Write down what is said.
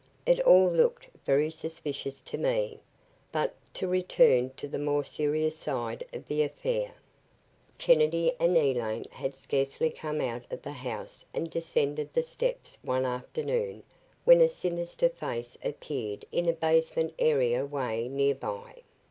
It all looked very suspicious to me. But, to return to the more serious side of the affair. Kennedy and Elaine had scarcely come out of the house and descended the steps, one afternoon, when a sinister face appeared in a basement areaway nearby.